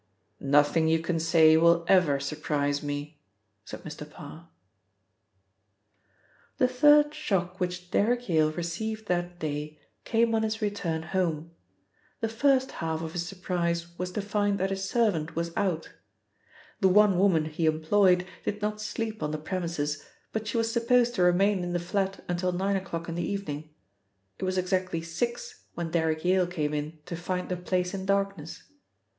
"Nothing you can say will ever surprise me," said Mr Parr. The third shock which Derrick Yale received that day came on his return home. The first half of his surprise was to find that his servant was out. The one woman he employed did not sleep on the premises, but she was supposed to remain in the flat until nine o'clock in the evening. It was exactly six when Derrick Yale came in to find the place in darkness.